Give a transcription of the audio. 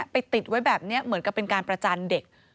ติดไว้แบบนี้เหมือนกับเป็นการประจันเด็ก